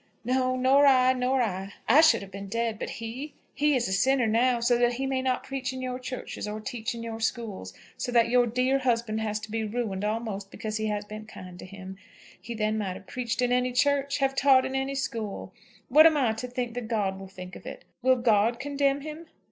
"No; nor I, nor I. I should have been dead; but he? He is a sinner now, so that he may not preach in your churches, or teach in your schools; so that your dear husband has to be ruined almost because he has been kind to him. He then might have preached in any church, have taught in any school. What am I to think that God will think of it? Will God condemn him?"